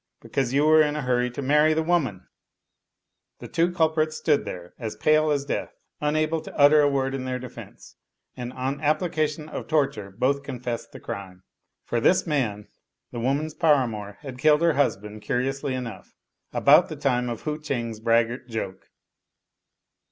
Because you were in a hurry to marry the woman/* The two culprits stood there as pale as death, unable to utter a word in tfieir defense; and on the application of torture both confessed the crime. For this man, the woman's paramour, had killed her husband, curiously enough, about the time of Hu Cheng's braggart joke.